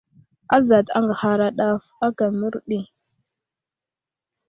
Azat aŋgəhara ɗaf aka mərdi.